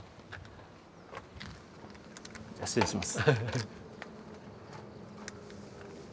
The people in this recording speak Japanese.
じゃあ失礼します。